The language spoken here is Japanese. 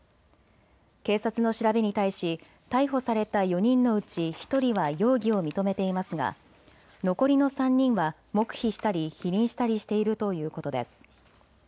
警察の調べに対し逮捕された４人のうち１人は容疑を認めていますが残りの３人は黙秘したり否認したりしているということです。